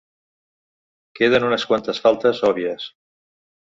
Queden unes quantes faltes òbvies.